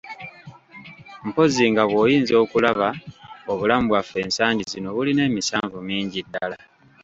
Mpozzi nga bw'oyinza okulaba obulamu bwaffe ensangi zino bulina emisanvu mingi ddala.